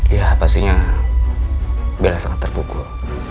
ya pastinya bila sangat terpukul